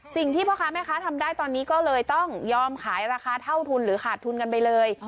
พ่อค้าแม่ค้าทำได้ตอนนี้ก็เลยต้องยอมขายราคาเท่าทุนหรือขาดทุนกันไปเลย